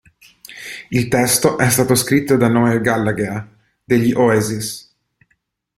Il testo è stato scritto da Noel Gallagher degli Oasis.